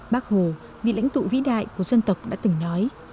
bác hồ vị lãnh tụ vĩ đại của dân tộc đã từng nói